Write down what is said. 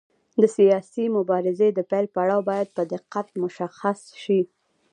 د سیاسي مبارزې د پیل پړاو باید په دقت مشخص شي.